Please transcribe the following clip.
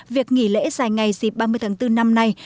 việc nghỉ lễ dài ngày dịp ba mươi tháng bốn năm nay